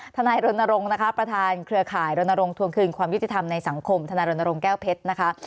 ทนายรณรงค์นะคะประธานเครือข่ายรณรงค์ทวงคืนความยุติธรรมในสังคมธนายรณรงค์แก้วเพชรนะคะ